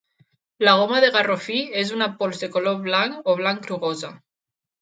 La goma de garrofí és una pols de color blanc o blanc grogosa.